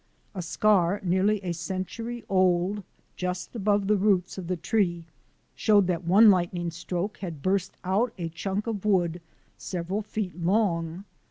A scar nearly a century old just above the roots of the tree showed that one lightning stroke had burst out a chunk of wood several feet long.